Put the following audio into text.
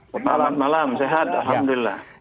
selamat malam sehat alhamdulillah